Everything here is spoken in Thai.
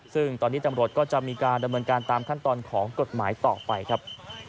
ซึ่งตอนนี้ตำรวจก็จะมีการดำเนินการตามขั้นตอนของกฎหมายต่อไปครับ